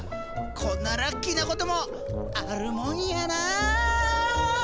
こんなラッキーなこともあるもんやな。